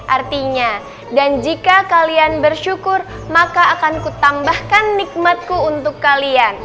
artinya dan jika kalian bersyukur maka akan ku tambahkan nikmatku untuk kalian